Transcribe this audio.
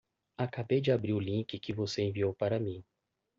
Acabei de abrir o link que você enviou para mim.